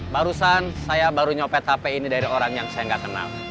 barusan saya baru nyopet hp ini dari orang yang saya nggak kenal